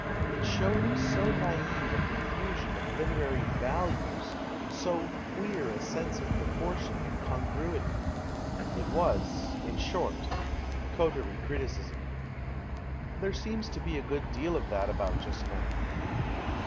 It showed so naive a confusion of literary " values," so queer a sense of proportion and eongruity. It was, in short, coterie criticism. There seems to be a good deal of that about just now.